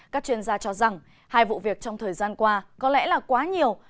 các chuyên gia cho rằng hai vụ việc trong thời gian qua có lẽ là quá nhiều